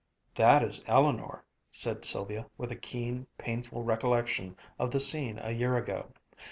"That is Eleanor," said Sylvia, with a keen, painful recollection of the scene a year ago.